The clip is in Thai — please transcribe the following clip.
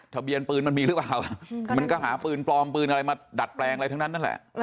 ทะเบียนปืนมันมีหรือเปล่ามันก็หาปืนปลอมปืนอะไรมาดัดแปลงอะไรทั้งนั้นนั่นแหละ